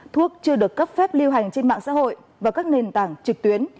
thuốc chưa được cấp phép lưu hành trên mạng xã hội và các nền tảng trực tuyến